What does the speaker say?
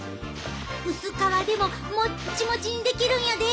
薄皮でももっちもちにできるんやで！